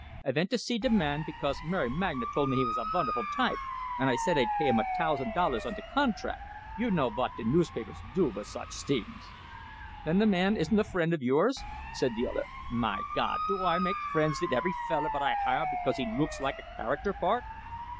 I vent to see de man, because Mary Magna told me he vas a vunderful type, and I said I'd pay him a tousand dollars on de contract. You know vot de newspapers do vit such tings!" "Then the man isn't a friend of yours?" said the other. "My Gawd, do I make friends vit every feller vot I hire because he looks like a character part?"